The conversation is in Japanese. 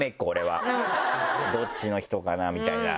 どっちの人かな？みたいな。